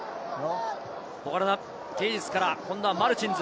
小柄なゲージスから今度はマルチンズ。